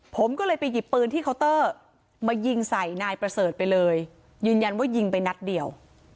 ผมก็เลยไปหยิบปืนที่เคาน์เตอร์มายิงใส่นายประเสริฐไปเลยยืนยันว่ายิงไปนัดเดียว